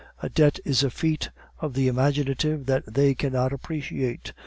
A debt is a feat of the imaginative that they cannot appreciate.